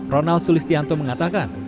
ronald sulistianto mengatakan